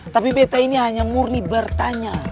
tapi beta ini hanya murni bertanya